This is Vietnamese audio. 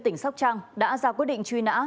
tỉnh sóc trăng đã ra quyết định truy nã